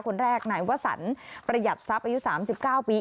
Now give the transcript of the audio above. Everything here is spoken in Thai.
คนแรกนายวสันประหยัดทรัพย์อายุ๓๙ปี